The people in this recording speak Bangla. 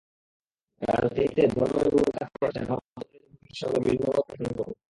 রাজনীতিতে ধর্মের ভূমিকার প্রশ্নে আমি মাহমুদ রেজা চৌধুরীর সঙ্গে ভিন্নমত পোষণ করি।